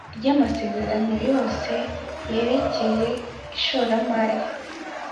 ry amasezerano yose yerekeye ishoramari